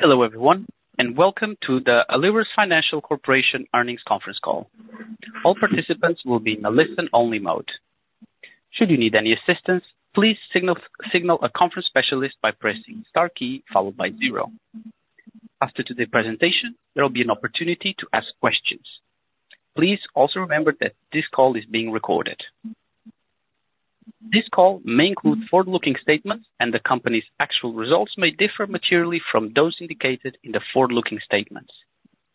Hello everyone, and welcome to the Alerus Financial Corporation Earnings Conference Call. All participants will be in a listen-only mode. Should you need any assistance, please signal a conference specialist by pressing star key followed by zero. After today's presentation, there will be an opportunity to ask questions. Please also remember that this call is being recorded. This call may include forward-looking statements, and the company's actual results may differ materially from those indicated in the forward-looking statements.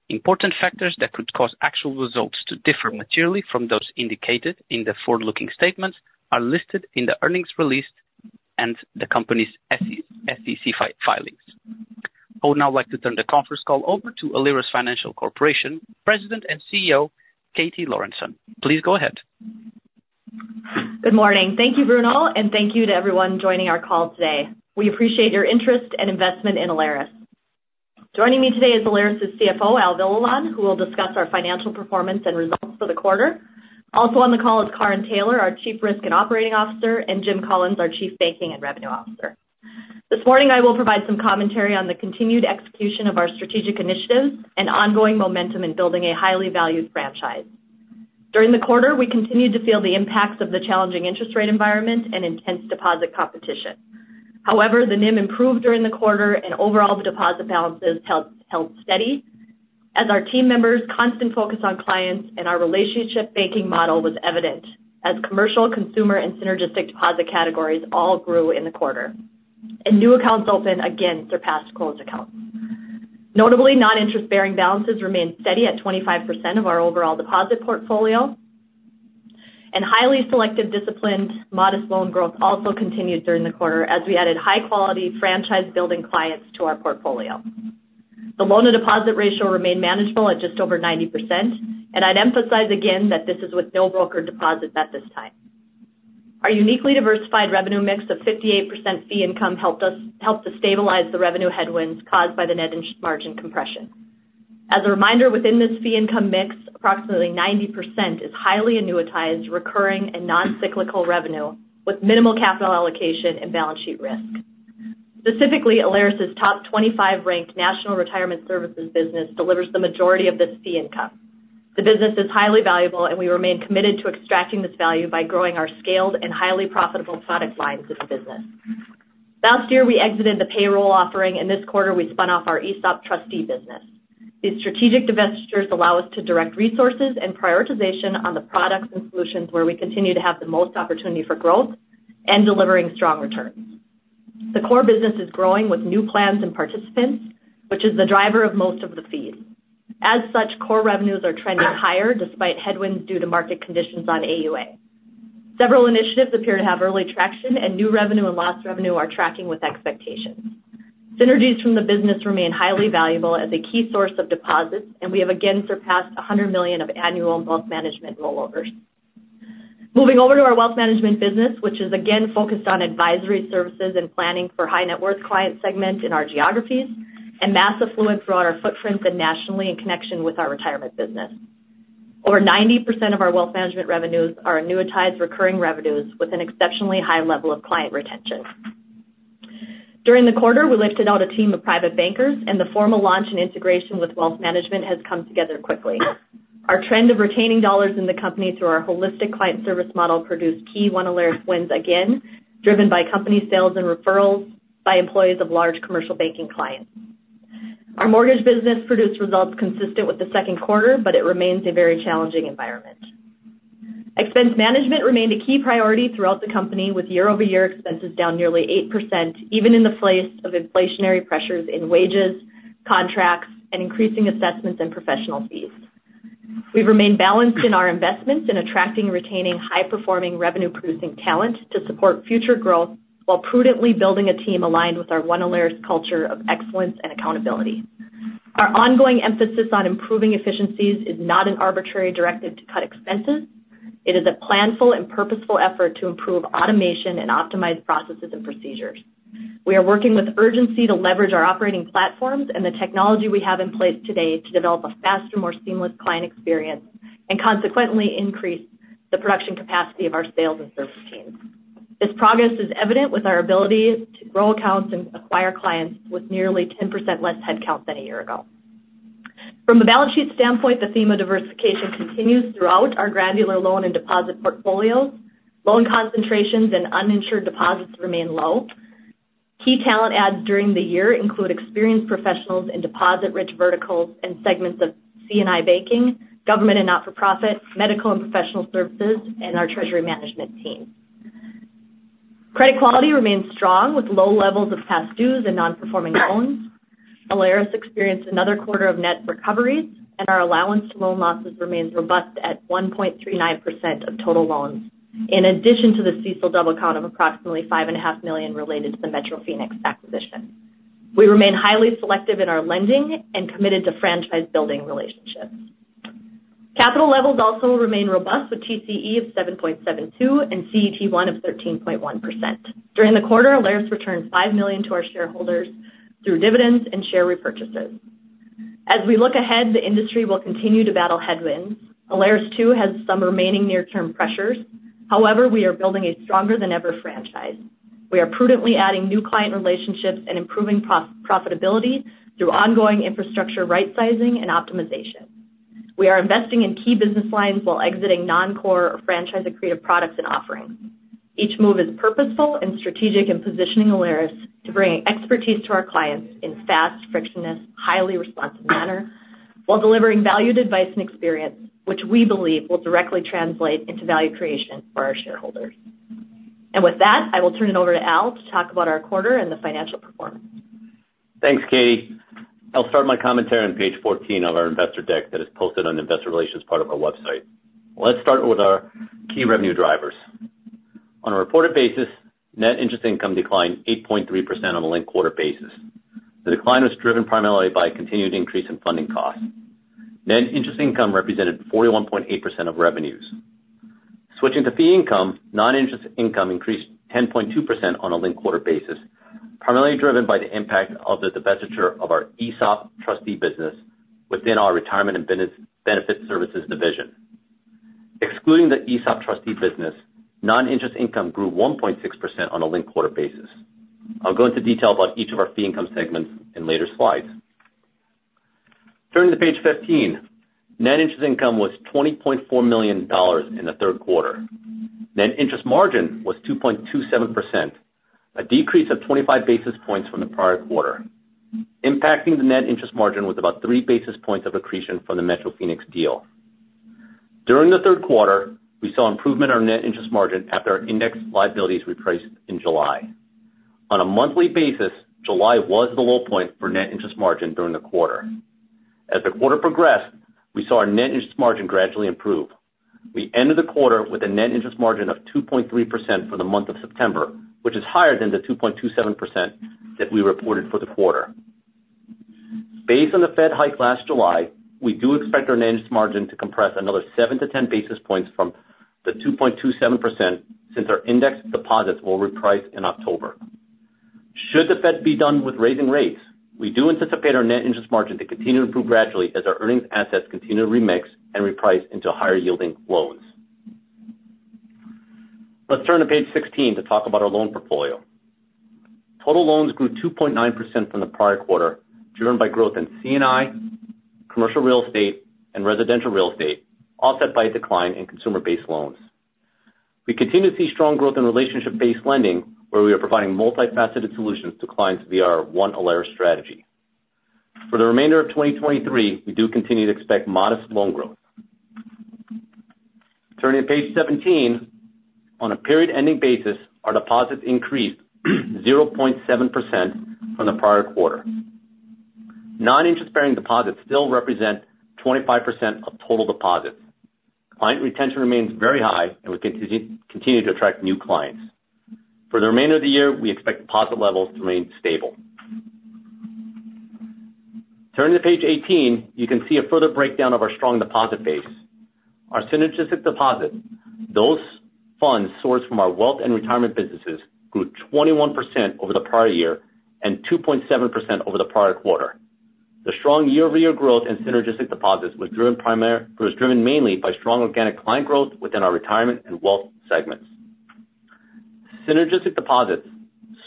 Important factors that could cause actual results to differ materially from those indicated in the forward-looking statements are listed in the earnings release and the company's SEC filings. I would now like to turn the conference call over to Alerus Financial Corporation President and CEO, Katie Lorenson. Please go ahead. Good morning. Thank you, Bruno, and thank you to everyone joining our call today. We appreciate your interest and investment in Alerus. Joining me today is Alerus's CFO, Al Villalon, who will discuss our financial performance and results for the quarter. Also on the call is Karin Taylor, our Chief Risk and Operating Officer, and Jim Collins, our Chief Banking and Revenue Officer. This morning, I will provide some commentary on the continued execution of our strategic initiatives and ongoing momentum in building a highly valued franchise. During the quarter, we continued to feel the impacts of the challenging interest rate environment and intense deposit competition. However, the NIM improved during the quarter and overall the deposit balances held steady as our team members' constant focus on clients and our relationship banking model was evident, as commercial, consumer, and synergistic deposit categories all grew in the quarter, and new accounts open again surpassed closed accounts. Notably, non-interest-bearing balances remained steady at 25% of our overall deposit portfolio, and highly selective, disciplined, modest loan growth also continued during the quarter as we added high-quality franchise building clients to our portfolio. The loan-to-deposit ratio remained manageable at just over 90%, and I'd emphasize again that this is with no broker deposits at this time. Our uniquely diversified revenue mix of 58% fee income helped us to stabilize the revenue headwinds caused by the net interest margin compression. As a reminder, within this fee income mix, approximately 90% is highly annuitized, recurring, and non-cyclical revenue, with minimal capital allocation and balance sheet risk. Specifically, Alerus's top 25 ranked national retirement services business delivers the majority of this fee income. The business is highly valuable, and we remain committed to extracting this value by growing our scaled and highly profitable product lines in the business. Last year, we exited the payroll offering, and this quarter we spun off our ESOP trustee business. These strategic divestitures allow us to direct resources and prioritization on the products and solutions where we continue to have the most opportunity for growth and delivering strong returns. The core business is growing with new plans and participants, which is the driver of most of the fees. As such, core revenues are trending higher despite headwinds due to market conditions on AUA. Several initiatives appear to have early traction, and new revenue and lost revenue are tracking with expectations. Synergies from the business remain highly valuable as a key source of deposits, and we have again surpassed $100 million of annual wealth management rollovers. Moving over to our wealth management business, which is again focused on advisory services and planning for high net worth client segment in our geographies and mass affluent throughout our footprint and nationally in connection with our retirement business. Over 90% of our wealth management revenues are annuitized recurring revenues with an exceptionally high level of client retention. During the quarter, we lifted out a team of private bankers, and the formal launch and integration with wealth management has come together quickly. Our trend of retaining dollars in the company through our holistic client service model produced key One Alerus wins again, driven by company sales and referrals by employees of large commercial banking clients. Our mortgage business produced results consistent with the second quarter, but it remains a very challenging environment. Expense management remained a key priority throughout the company, with year-over-year expenses down nearly 8%, even in the face of inflationary pressures in wages, contracts, and increasing assessments and professional fees. We've remained balanced in our investments in attracting and retaining high-performing, revenue-producing talent to support future growth while prudently building a team aligned with our One Alerus culture of excellence and accountability. Our ongoing emphasis on improving efficiencies is not an arbitrary directive to cut expenses. It is a planful and purposeful effort to improve automation and optimize processes and procedures. We are working with urgency to leverage our operating platforms and the technology we have in place today to develop a faster, more seamless client experience and consequently increase the production capacity of our sales and service teams. This progress is evident with our ability to grow accounts and acquire clients with nearly 10% less headcount than a year ago. From a balance sheet standpoint, the theme of diversification continues throughout our granular loan and deposit portfolios. Loan concentrations and uninsured deposits remain low. Key talent adds during the year include experienced professionals in deposit-rich verticals and segments of C&I banking, government and not-for-profit, medical and professional services, and our treasury management team. Credit quality remains strong, with low levels of past dues and non-performing loans. Alerus experienced another quarter of net recoveries, and our allowance to loan losses remains robust at 1.39% of total loans, in addition to the CECL add-back of approximately $5.5 million related to the Metro Phoenix acquisition. We remain highly selective in our lending and committed to franchise-building relationships. Capital levels also remain robust, with TCE of 7.72 and CET1 of 13.1%. During the quarter, Alerus returned $5 million to our shareholders through dividends and share repurchases. As we look ahead, the industry will continue to battle headwinds. Alerus, too, has some remaining near-term pressures. However, we are building a stronger than ever franchise. We are prudently adding new client relationships and improving profitability through ongoing infrastructure rightsizing and optimization. We are investing in key business lines while exiting non-core or franchise-accretive products and offerings. Each move is purposeful and strategic in positioning Alerus to bring expertise to our clients in a fast, frictionless, highly responsive manner, while delivering valued advice and experience, which we believe will directly translate into value creation for our shareholders. With that, I will turn it over to Al to talk about our quarter and the financial performance. Thanks, Katie. I'll start my commentary on page 14 of our investor deck that is posted on the investor relations part of our website. Let's start with our key revenue drivers. On a reported basis, net interest income declined 8.3% on a linked quarter basis. The decline was driven primarily by a continued increase in funding costs. Net interest income represented 41.8% of revenues. Switching to fee income, non-interest income increased 10.2% on a linked quarter basis, primarily driven by the impact of the divestiture of our ESOP trustee business within our retirement and benefit services division. Excluding the ESOP trustee business, non-interest income grew 1.6% on a linked quarter basis. I'll go into detail about each of our fee income segments in later slides. Turning to page 15, net interest income was $20.4 million in the third quarter. Net interest margin was 2.27%, a decrease of 25 basis points from the prior quarter. Impacting the net interest margin was about 3 basis points of accretion from the Metro Phoenix deal. During the third quarter, we saw improvement in our net interest margin after our index liabilities repriced in July. On a monthly basis, July was the low point for net interest margin during the quarter. As the quarter progressed, we saw our net interest margin gradually improve. We ended the quarter with a net interest margin of 2.3% for the month of September, which is higher than the 2.27% that we reported for the quarter. Based on the Fed hike last July, we do expect our net interest margin to compress another 7-10 basis points from the 2.27%, since our index deposits will reprice in October. Should the Fed be done with raising rates, we do anticipate our net interest margin to continue to improve gradually as our earnings assets continue to remix and reprice into higher yielding loans. Let's turn to page 16 to talk about our loan portfolio. Total loans grew 2.9% from the prior quarter, driven by growth in C&I, commercial real estate, and residential real estate, offset by a decline in consumer-based loans. We continue to see strong growth in relationship-based lending, where we are providing multifaceted solutions to clients via our One Alerus strategy. For the remainder of 2023, we do continue to expect modest loan growth. Turning to page 17, on a period-ending basis, our deposits increased 0.7% from the prior quarter. Non-interest-bearing deposits still represent 25% of total deposits. Client retention remains very high, and we continue to attract new clients. For the remainder of the year, we expect deposit levels to remain stable. Turning to page 18, you can see a further breakdown of our strong deposit base. Our synergistic deposits, those funds sourced from our wealth and retirement businesses, grew 21% over the prior year and 2.7% over the prior quarter. The strong year-over-year growth in synergistic deposits was driven mainly by strong organic client growth within our retirement and wealth segments. Synergistic deposits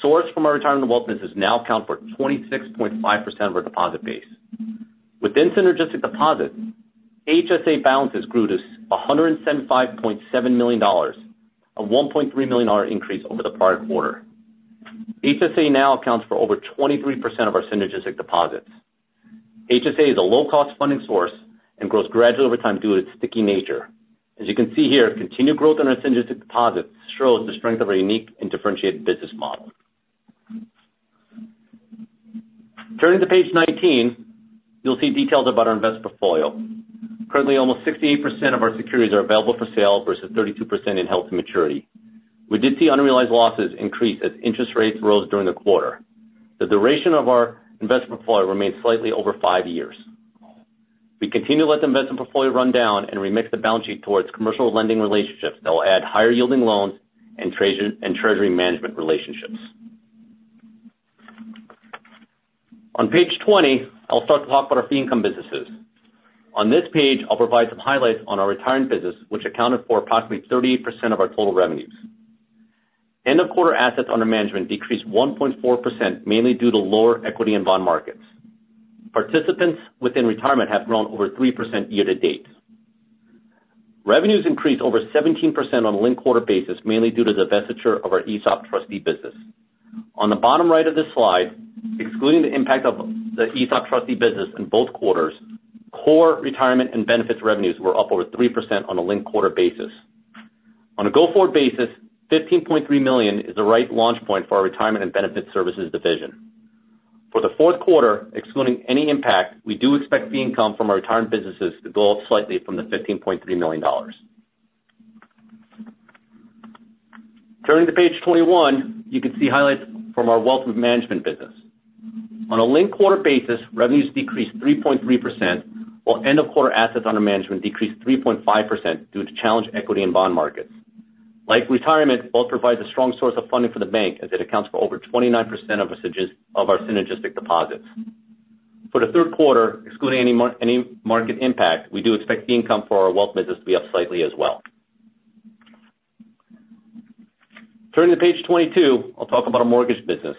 sourced from our retirement and wealth businesses now account for 26.5% of our deposit base. Within synergistic deposits, HSA balances grew to $175.7 million, a $1.3 million increase over the prior quarter. HSA now accounts for over 23% of our synergistic deposits. HSA is a low-cost funding source and grows gradually over time due to its sticky nature. As you can see here, continued growth in our synergistic deposits shows the strength of our unique and differentiated business model. Turning to page 19, you'll see details about our investment portfolio. Currently, almost 68% of our securities are available for sale versus 32% in held to maturity. We did see unrealized losses increase as interest rates rose during the quarter. The duration of our investment portfolio remains slightly over five years. We continue to let the investment portfolio run down and remix the balance sheet towards commercial lending relationships that will add higher-yielding loans and treasury management relationships. On page 20, I'll start to talk about our fee income businesses. On this page, I'll provide some highlights on our retirement business, which accounted for approximately 38% of our total revenues. End-of-quarter assets under management decreased 1.4%, mainly due to lower equity and bond markets. Participants within retirement have grown over 3% year to date. Revenues increased over 17% on a linked quarter basis, mainly due to the divestiture of our ESOP trustee business. On the bottom right of this slide, excluding the impact of the ESOP trustee business in both quarters, core retirement and benefits revenues were up over 3% on a linked quarter basis. On a go-forward basis, $15.3 million is the right launch point for our retirement and benefits services division. For the fourth quarter, excluding any impact, we do expect fee income from our retirement businesses to go up slightly from the $15.3 million. Turning to page 21, you can see highlights from our wealth management business. On a linked-quarter basis, revenues decreased 3.3%, while end-of-quarter assets under management decreased 3.5% due to challenged equity and bond markets. Like retirement, wealth provides a strong source of funding for the bank, as it accounts for over 29% of our synergistic deposits. For the third quarter, excluding any market impact, we do expect the income for our wealth business to be up slightly as well. Turning to page 22, I'll talk about our mortgage business.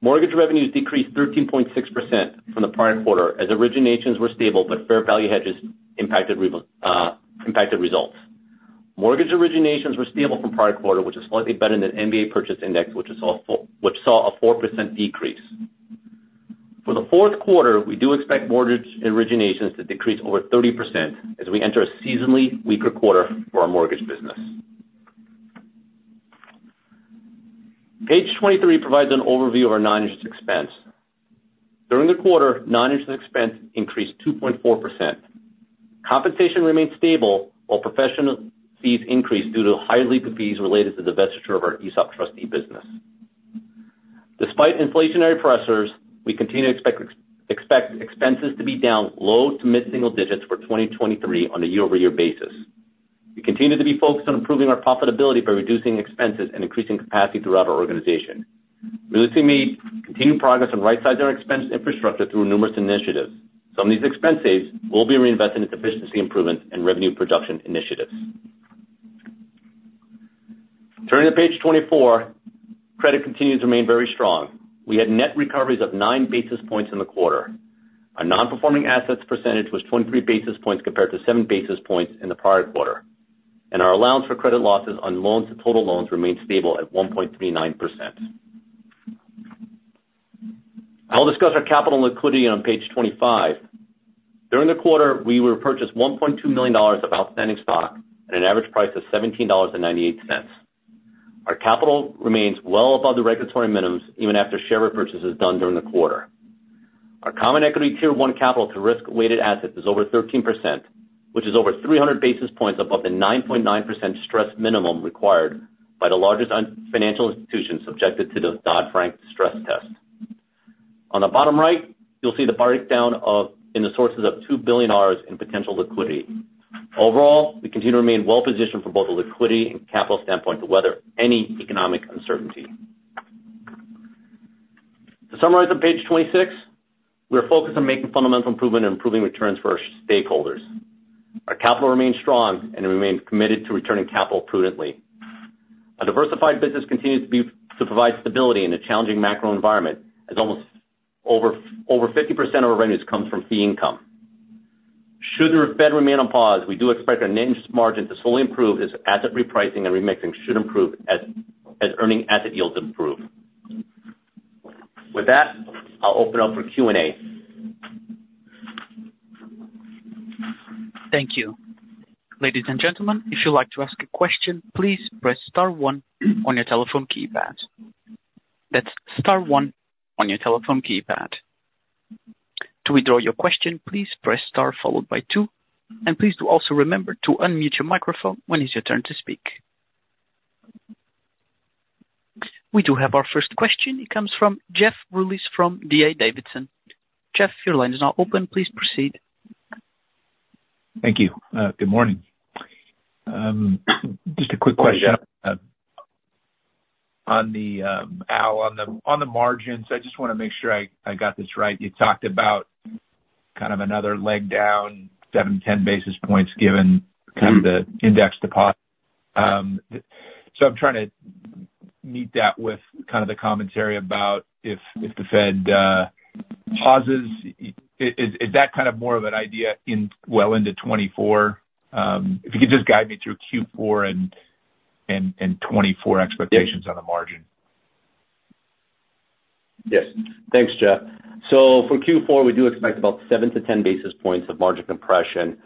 Mortgage revenues decreased 13.6% from the prior quarter, as originations were stable, but fair value hedges impacted results. Mortgage originations were stable from prior quarter, which is slightly better than MBA Purchase Index, which saw a 4% decrease. For the fourth quarter, we do expect mortgage originations to decrease over 30% as we enter a seasonally weaker quarter for our mortgage business. Page 23 provides an overview of our non-interest expense. During the quarter, non-interest expense increased 2.4%. Compensation remained stable, while professional fees increased due to high legal fees related to the divestiture of our ESOP Trustee Business. Despite inflationary pressures, we continue to expect expenses to be down low- to mid-single digits for 2023 on a year-over-year basis. We continue to be focused on improving our profitability by reducing expenses and increasing capacity throughout our organization. We're looking to make continued progress on right-sizing our expense infrastructure through numerous initiatives. Some of these expense saves will be reinvested in efficiency improvements and revenue production initiatives. Turning to page 24, credit continues to remain very strong. We had net recoveries of 9 basis points in the quarter. Our non-performing assets percentage was 23 basis points compared to 7 basis points in the prior quarter, and our allowance for credit losses on loans to total loans remained stable at 1.39%. I'll discuss our capital and liquidity on page 25. During the quarter, we repurchased $1.2 million of outstanding stock at an average price of $17.98. Our capital remains well above the regulatory minimums, even after share repurchases done during the quarter. Our common equity tier one capital to risk weighted assets is over 13%, which is over 300 basis points above the 9.9% stress minimum required by the largest U.S. financial institutions subjected to the Dodd-Frank Stress Test. On the bottom right, you'll see the breakdown of the sources of $2 billion in potential liquidity. Overall, we continue to remain well positioned from both a liquidity and capital standpoint to weather any economic uncertainty. To summarize on page 26, we are focused on making fundamental improvement and improving returns for our stakeholders. Our capital remains strong, and we remain committed to returning capital prudently. Our diversified business continues to be to provide stability in a challenging macro environment, as almost over 50% of our revenues comes from fee income. Should the Fed remain on pause, we do expect our net interest margin to slowly improve as asset repricing and remixing should improve as earning asset yields improve. With that, I'll open up for Q&A. Thank you. Ladies and gentlemen, if you'd like to ask a question, please press star one on your telephone keypad. That's star one on your telephone keypad. To withdraw your question, please press star followed by two, and please do also remember to unmute your microphone when it's your turn to speak. We do have our first question. It comes from Jeff Rulis from D.A. Davidson. Jeff, your line is now open. Please proceed. Thank you. Good morning. Just a quick question. Good morning, Jeff. Al, on the margins, I just want to make sure I got this right. You talked about kind of another leg down, 7-10 basis points, given kind of the index deposit. I'm trying to meet that with kind of the commentary about if the Fed pauses, is that kind of more of an idea well into 2024? If you could just guide me through Q4 and 2024 expectations on the margin. Yes. Thanks, Jeff. So for Q4, we do expect about 7-10 basis points of margin compression,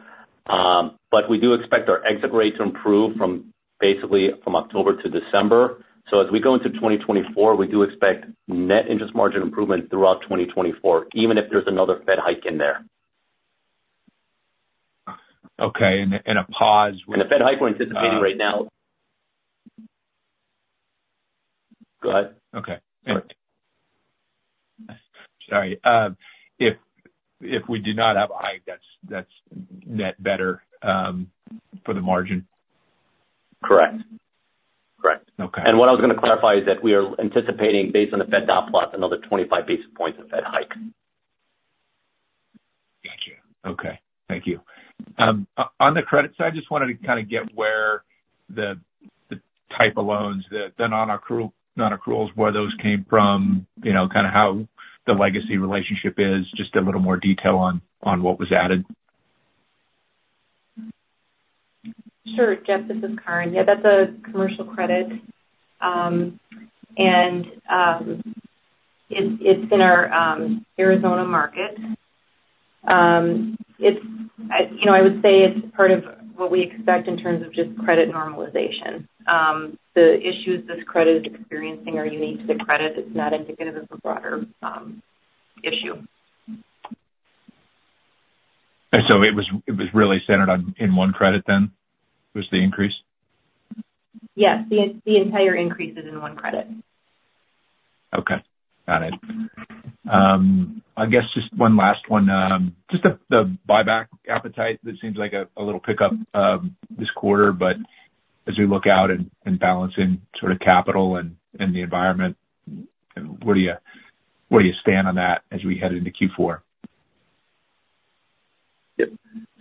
but we do expect our exit rate to improve from basically October to December. So as we go into 2024, we do expect net interest margin improvement throughout 2024, even if there's another Fed hike in there. Okay, and a pause with... The Fed hike we're anticipating right now... Go ahead. Okay. All right. Sorry. If we do not have a hike, that's net better for the margin? Correct. Correct. Okay. What I was going to clarify is that we are anticipating, based on the Fed dot plot, another 25 basis points of Fed hike. Gotcha. Okay. Thank you. On the credit side, I just wanted to kind of get where the type of loans, the non-accrual, non-accruals, where those came from, you know, kind of how the legacy relationship is, just a little more detail on what was added. Sure, Jeff, this is Karin. Yeah, that's a commercial credit. And it's in our Arizona market. It's, you know, I would say it's part of what we expect in terms of just credit normalization. The issues this credit is experiencing are unique to the credit. It's not indicative of a broader issue. And so it was, it was really centered on, in one credit then, was the increase? Yes, the entire increase is in one credit. Okay, got it. I guess just one last one. Just the buyback appetite, that seems like a little pick up this quarter, but as we look out and balancing sort of capital and the environment, where do you stand on that as we head into Q4? Yep.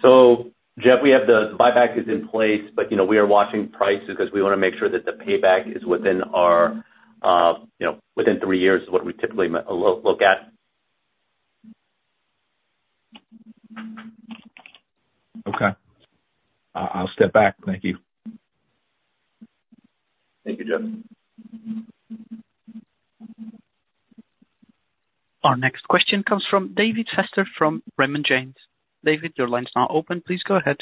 So Jeff, we have the buyback is in place, but you know, we are watching prices because we want to make sure that the payback is within our, you know, within three years is what we typically look at. Okay. I'll step back. Thank you. Thank you, Jeff. Our next question comes from David Feaster from Raymond James. David, your line's now open. Please go ahead.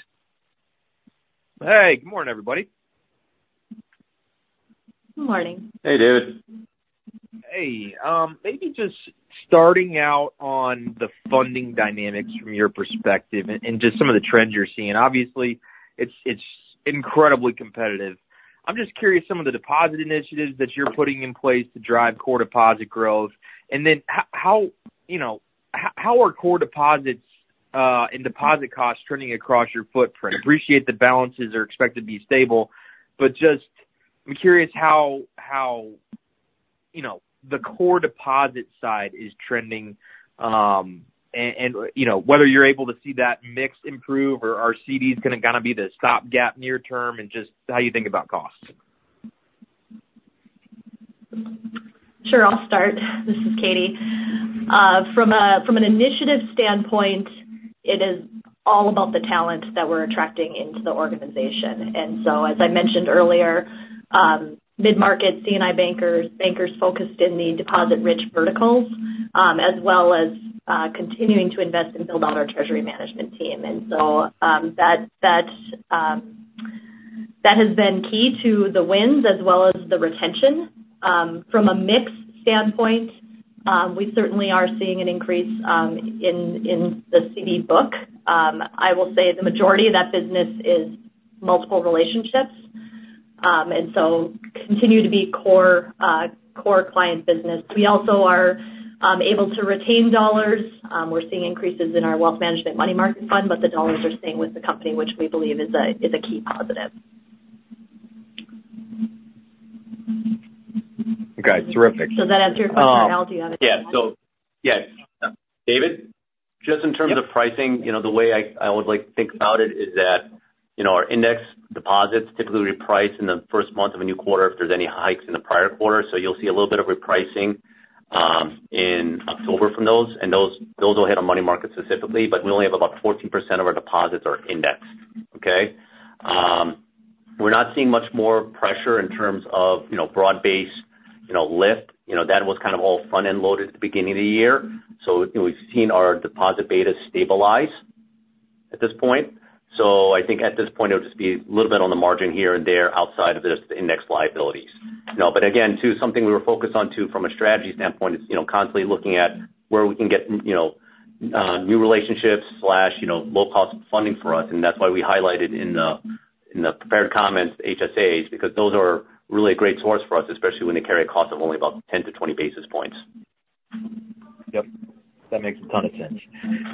Hey, good morning, everybody. Good morning. Hey, David. Hey, maybe just starting out on the funding dynamics from your perspective and just some of the trends you're seeing. Obviously, it's incredibly competitive. I'm just curious, some of the deposit initiatives that you're putting in place to drive core deposit growth, and then how, you know, how are core deposits and deposit costs trending across your footprint? I appreciate the balances are expected to be stable, but I'm just curious how, you know, the core deposit side is trending. And you know, whether you're able to see that mix improve or are CDs gonna kind of be the stopgap near term, and just how you think about costs? Sure, I'll start. This is Katie. From an initiative standpoint, it is all about the talent that we're attracting into the organization. As I mentioned earlier, mid-market C&I bankers, bankers focused in the deposit-rich verticals, as well as continuing to invest and build out our treasury management team. That has been key to the wins as well as the retention. From a mix standpoint, we certainly are seeing an increase in the CD book. I will say the majority of that business is multiple relationships, and so continue to be core, core client business. We also are able to retain dollars. We're seeing increases in our wealth management money market fund, but the dollars are staying with the company, which we believe is a key positive. Okay, terrific. Does that answer your question or how else you want it? Yeah. So, yeah. David? Yep. Just in terms of pricing, you know, the way I, I would like to think about it is that, you know, our index deposits typically reprice in the first month of a new quarter if there's any hikes in the prior quarter. So you'll see a little bit of repricing in October from those, and those, those will hit on money market specifically, but we only have about 14% of our deposits are indexed. Okay? We're not seeing much more pressure in terms of, you know, broad-based, you know, lift. You know, that was kind of all front-end loaded at the beginning of the year. So, you know, we've seen our deposit beta stabilize at this point. So I think at this point, it'll just be a little bit on the margin here and there outside of just the index liabilities. You know, but again, too, something we were focused on, too, from a strategy standpoint is, you know, constantly looking at where we can get, you know, new relationships slash low-cost funding for us. And that's why we highlighted in the prepared comments HSAs, because those are really a great source for us, especially when they carry a cost of only about 10-20 basis points. Yep, that makes a ton of sense.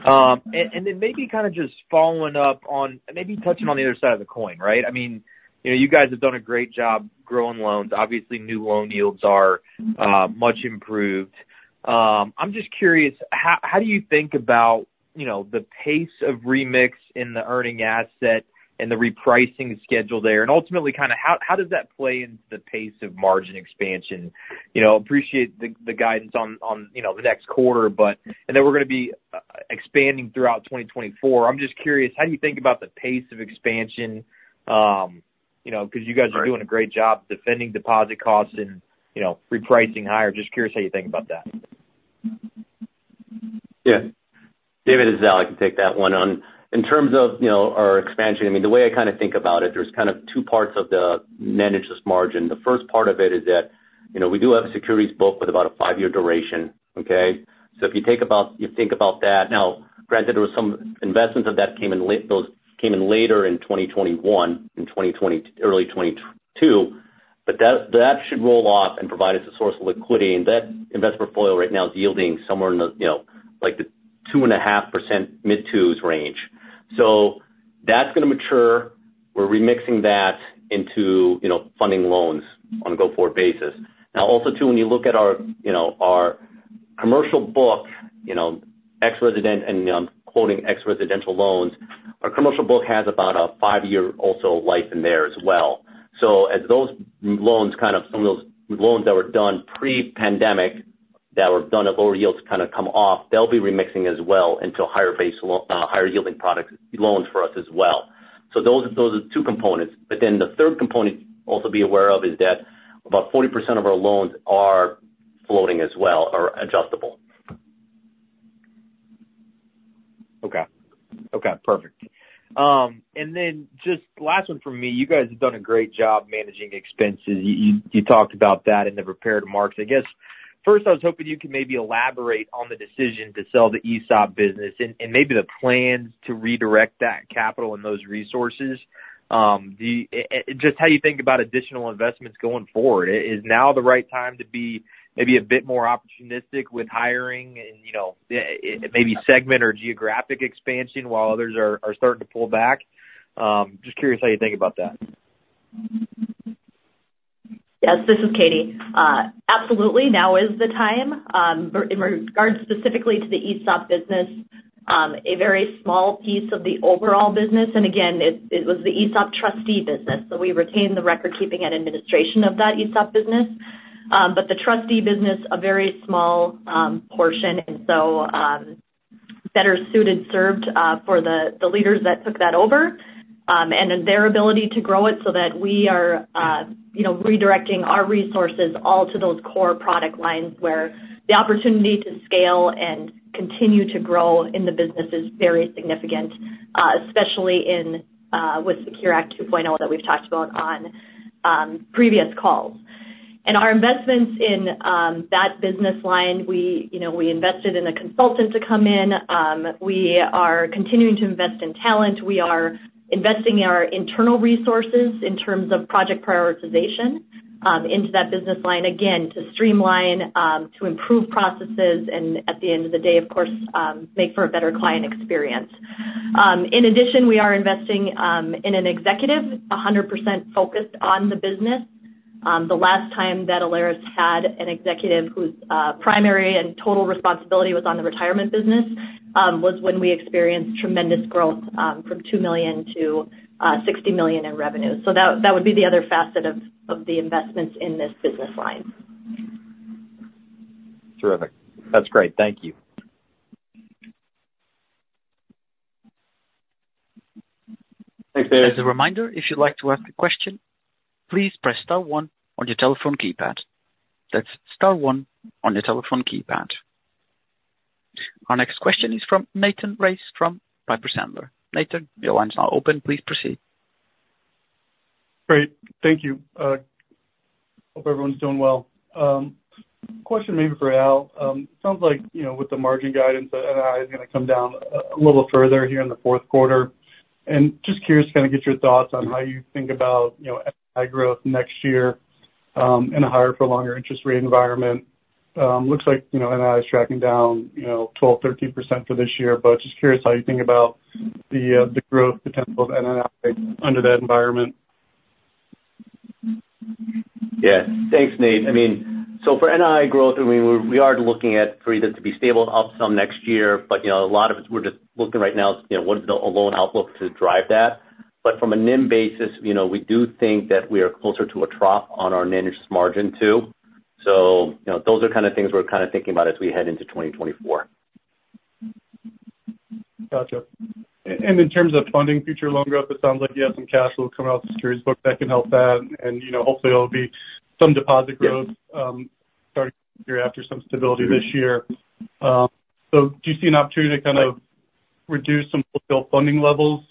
And then maybe kind of just following up on maybe touching on the other side of the coin, right? I mean, you know, you guys have done a great job growing loans. Obviously, new loan yields are much improved. I'm just curious, how do you think about, you know, the pace of remix in the earning asset and the repricing schedule there? And ultimately, kind of how does that play into the pace of margin expansion? You know, appreciate the guidance on you know, the next quarter, but I know we're going to be expanding throughout 2024. I'm just curious, how do you think about the pace of expansion? You know, because you guys are doing a great job defending deposit costs and, you know, repricing higher. Just curious how you think about that. Yeah. David, this is Al. I can take that one on. In terms of, you know, our expansion, I mean, the way I kind of think about it, there's kind of two parts of the managing this margin. The first part of it is that, you know, we do have a securities book with about a five-year duration, okay? So if you think about, you think about that. Now, granted, there was some investments that came in late- those came in later in 2021 and early 2022, but that, that should roll off and provide us a source of liquidity. And that investment portfolio right now is yielding somewhere in the, you know, like the 2.5%, mid-2s range. So that's going to mature. We're reinvesting that into, you know, funding loans on a go-forward basis. Now, also, too, when you look at our, you know, our commercial book, you know, ex-residential, and I'm quoting ex-residential loans, our commercial book has about a five-year also life in there as well. So as those loans, kind of some of those loans that were done pre-pandemic, that were done at lower yields, kind of come off, they'll be remixing as well into higher, higher yielding products, loans for us as well. So those, those are two components. But then the third component also be aware of is that about 40% of our loans are floating as well, or adjustable. Okay. Okay, perfect. And then just last one from me. You guys have done a great job managing expenses. You talked about that in the prepared remarks. I guess, first, I was hoping you could maybe elaborate on the decision to sell the ESOP business and maybe the plans to redirect that capital and those resources, just how you think about additional investments going forward. Is now the right time to be maybe a bit more opportunistic with hiring and, you know, maybe segment or geographic expansion while others are starting to pull back? Just curious how you think about that. Yes, this is Katie. Absolutely, now is the time. In regards specifically to the ESOP business, a very small piece of the overall business, and again, it was the ESOP trustee business. So we retained the record keeping and administration of that ESOP business. But the trustee business, a very small portion, and so, better suited served for the leaders that took that over, and then their ability to grow it so that we are, you know, redirecting our resources all to those core product lines, where the opportunity to scale and continue to grow in the business is very significant, especially in with Secure Act 2.0, that we've talked about on previous calls. And our investments in that business line, we, you know, we invested in a consultant to come in. We are continuing to invest in talent. We are investing our internal resources in terms of project prioritization into that business line, again, to streamline, to improve processes, and at the end of the day, of course, make for a better client experience. In addition, we are investing in an executive 100% focused on the business. The last time that Alerus had an executive whose primary and total responsibility was on the retirement business was when we experienced tremendous growth from $2 million to $60 million in revenue. So that would be the other facet of the investments in this business line. Terrific. That's great. Thank you. Thanks, David. As a reminder, if you'd like to ask a question, please press star one on your telephone keypad. That's star one on your telephone keypad. Our next question is from Nathan Race, from Piper Sandler. Nathan, your line is now open. Please proceed. Great. Thank you. Hope everyone's doing well. Question maybe for Al. Sounds like, you know, with the margin guidance, NII is gonna come down a little further here in the fourth quarter. And just curious to kind of get your thoughts on how you think about, you know, NII growth next year, in a higher-for-longer interest rate environment. Looks like, you know, NII is tracking down, you know, 12%-13% for this year, but just curious how you think about the growth potential of NII under that environment. Yeah. Thanks, Nate. I mean, so for NII growth, I mean, we are looking at for it to be stable up some next year, but, you know, a lot of it, we're just looking right now, you know, what is the loan outlook to drive that? But from a NIM basis, you know, we do think that we are closer to a trough on our managed margin, too. So, you know, those are kind of things we're kind of thinking about as we head into 2024. Gotcha. And in terms of funding future loan growth, it sounds like you have some cash flow coming off the securities book that can help that. And, you know, hopefully there'll be some deposit growth, starting the year after some stability this year. So do you see an opportunity to kind of reduce some wholesale funding levels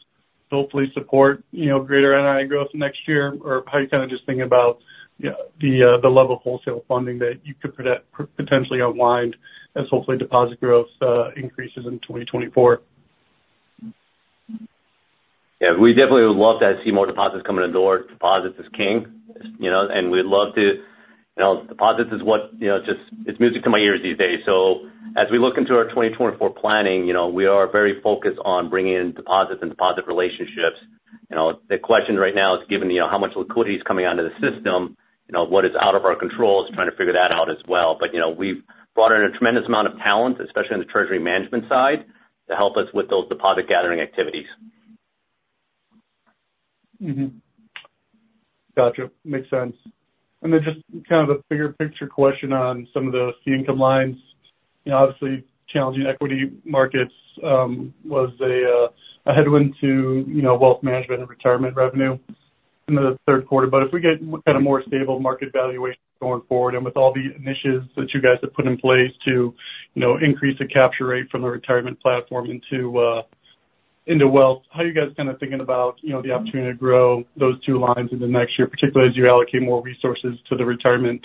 to hopefully support, you know, greater NII growth next year? Or how are you kind of just thinking about, you know, the, the level of wholesale funding that you could potentially unwind as hopefully deposit growth increases in 2024? Yeah, we definitely would love to see more deposits coming in the door. Deposits is king, you know, and we'd love to... You know, deposits is what, you know, just, it's music to my ears these days. So as we look into our 2024 planning, you know, we are very focused on bringing in deposits and deposit relationships. You know, the question right now is given, you know, how much liquidity is coming onto the system, you know, what is out of our control, is trying to figure that out as well. But, you know, we've brought in a tremendous amount of talent, especially on the treasury management side, to help us with those deposit gathering activities. Mm-hmm. Gotcha. Makes sense. And then just kind of a bigger picture question on some of the fee income lines. You know, obviously, challenging equity markets was a headwind to, you know, wealth management and retirement revenue in the third quarter. But if we get kind of more stable market valuations going forward, and with all the initiatives that you guys have put in place to, you know, increase the capture rate from the retirement platform into wealth, how are you guys kind of thinking about, you know, the opportunity to grow those two lines into next year, particularly as you allocate more resources to the retirement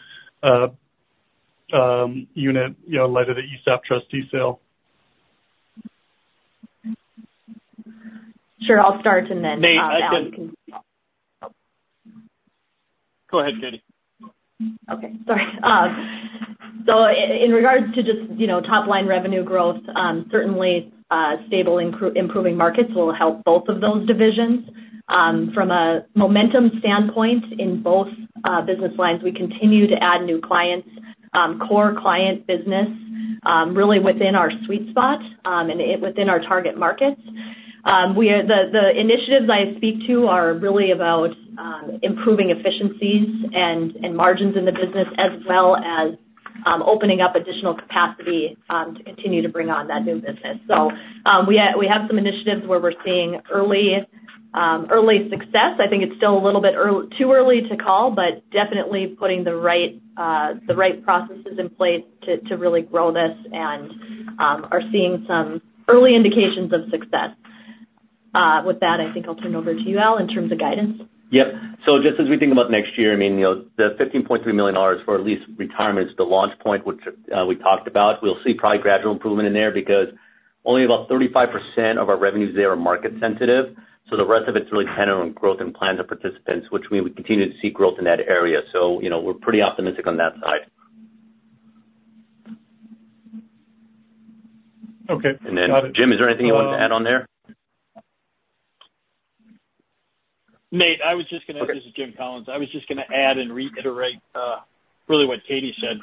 unit, you know, related to the ESOP trustee sale? Sure. I'll start, and then, Al- Nate, I can- Oh. Go ahead, Katie. Okay. Sorry. So in regards to just, you know, top-line revenue growth, certainly stable improving markets will help both of those divisions. From a momentum standpoint, in both business lines, we continue to add new clients, core client business really within our sweet spot and within our target markets. We are. The initiatives I speak to are really about improving efficiencies and margins in the business, as well as opening up additional capacity to continue to bring on that new business. So we have some initiatives where we're seeing early success. I think it's still a little bit too early to call, but definitely putting the right processes in place to really grow this and are seeing some early indications of success. With that, I think I'll turn it over to you, Al, in terms of guidance. Yep. So just as we think about next year, I mean, you know, the $15.3 million for Alerus retirement is the launch point, which we talked about. We'll see probably gradual improvement in there because only about 35% of our revenues there are market sensitive, so the rest of it's really dependent on growth and plans of participants, which we would continue to see growth in that area. So, you know, we're pretty optimistic on that side. Okay. And then, Jim, is there anything you want to add on there? Nate, I was just gonna- Okay. This is Jim Collins. I was just gonna add and reiterate, really what Katie said,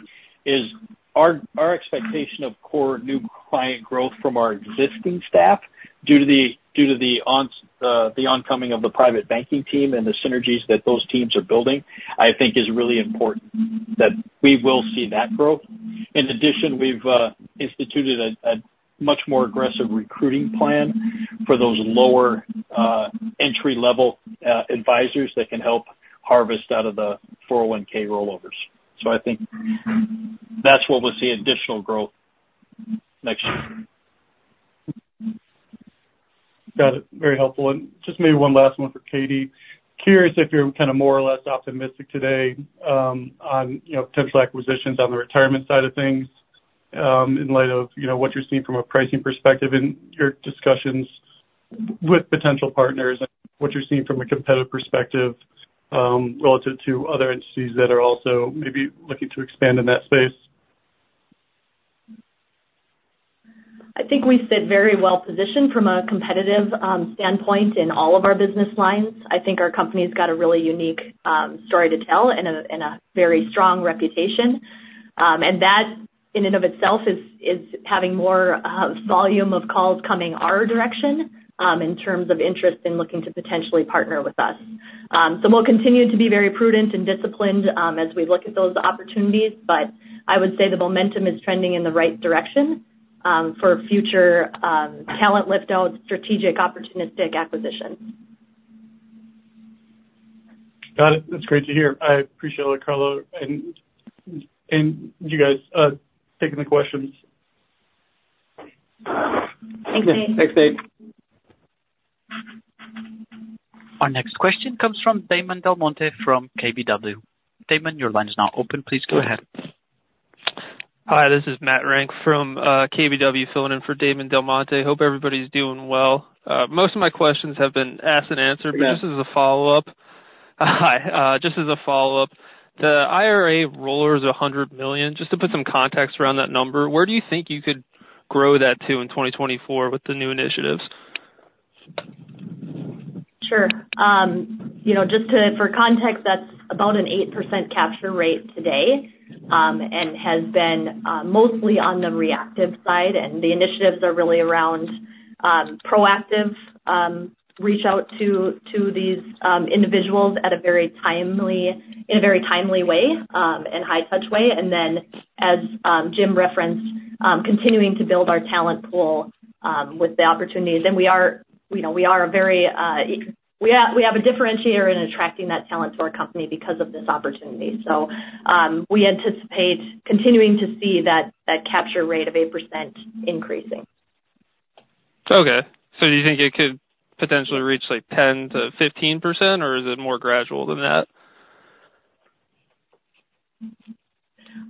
is our, our expectation of core new client growth from our existing staff, due to the, due to the on, the oncoming of the private banking team and the synergies that those teams are building, I think is really important, that we will see that growth. In addition, we've, instituted a, a much more aggressive recruiting plan for those lower, entry-level, advisors that can help harvest out of the 401(k) rollovers. So I think that's where we'll see additional growth next year. Got it. Very helpful. And just maybe one last one for Katie. Curious if you're kind of more or less optimistic today, on, you know, potential acquisitions on the retirement side of things, in light of, you know, what you're seeing from a pricing perspective in your discussions with potential partners, and what you're seeing from a competitive perspective, relative to other entities that are also maybe looking to expand in that space. I think we sit very well positioned from a competitive standpoint in all of our business lines. I think our company's got a really unique story to tell and a very strong reputation. And that, in and of itself, is having more volume of calls coming our direction in terms of interest in looking to potentially partner with us. So we'll continue to be very prudent and disciplined as we look at those opportunities, but I would say the momentum is trending in the right direction for future talent lift-out, strategic, opportunistic acquisitions. Got it. That's great to hear. I appreciate it, the color, and you guys taking the questions. Thanks, Nate. Thanks, Nate. Our next question comes from Damon DelMonte, from KBW. Damon, your line is now open. Please go ahead. Hi, this is Matt Renck from KBW, filling in for Damon DelMonte. Hope everybody's doing well. Most of my questions have been asked and answered- Yeah. Just as a follow-up, hi, just as a follow-up, the IRA rollovers $100 million, just to put some context around that number, where do you think you could grow that to in 2024 with the new initiatives? Sure. You know, just to, for context, that's about an 8% capture rate today, and has been mostly on the reactive side. And the initiatives are really around proactive reach out to these individuals at a very timely, in a very timely way, and high touch way. And then as Jim referenced, continuing to build our talent pool with the opportunities. And we are, we know we are a very, we have, we have a differentiator in attracting that talent to our company because of this opportunity. So, we anticipate continuing to see that capture rate of 8% increasing. Okay. So do you think it could potentially reach, like, 10%-15%, or is it more gradual than that?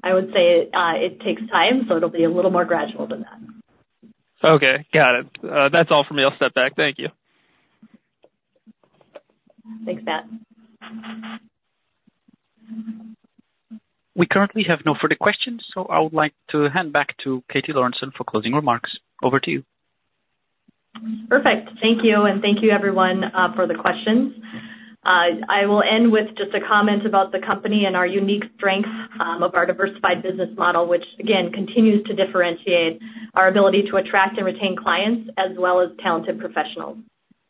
I would say, it takes time, so it'll be a little more gradual than that. Okay, got it. That's all for me. I'll step back. Thank you. Thanks, Matt. We currently have no further questions, so I would like to hand back to Katie Lorenson for closing remarks. Over to you. Perfect. Thank you, and thank you, everyone, for the questions. I will end with just a comment about the company and our unique strength of our diversified business model, which, again, continues to differentiate our ability to attract and retain clients, as well as talented professionals.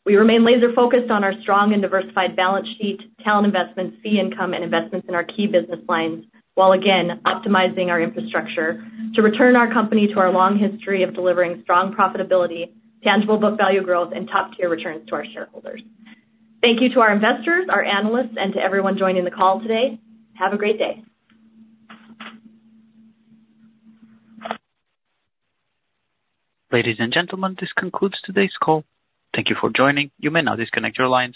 We remain laser focused on our strong and diversified balance sheet, talent investments, fee income, and investments in our key business lines, while again, optimizing our infrastructure to return our company to our long history of delivering strong profitability, tangible book value growth, and top-tier returns to our shareholders. Thank you to our investors, our analysts, and to everyone joining the call today. Have a great day. Ladies and gentlemen, this concludes today's call. Thank you for joining. You may now disconnect your lines.